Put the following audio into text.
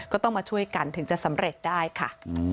ก็ต้องมาช่วยกันถึงจะสำเร็จได้ค่ะ